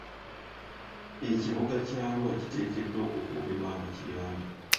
Ekibuga Arua kiteekeddwa okukuumibwa nga kiyonjo.